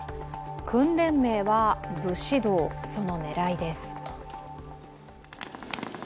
訓練名は武士道、その狙いです。